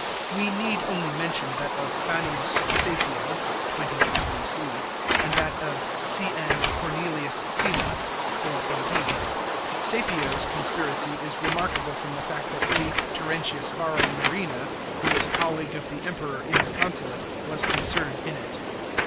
We need only mention that of Fannius Caepio (23 B.C.) and that of On. Cornelius Cinna (4 A.D.). Caepio's con spiracy is remarkable from the fact that A. Terentius Varro Murena, who was colleague of the Emperor in the consulate, was concerned in it.